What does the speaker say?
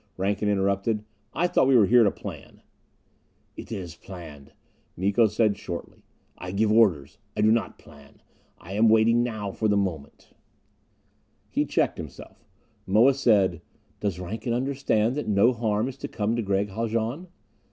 Rankin interrupted. "I thought we were here to plan " "It is planned," Miko said shortly. "I give orders, I do not plan. I am waiting now for the moment "He checked himself. Moa said, "Does Rankin understand that no harm is to come to Gregg Haljan?"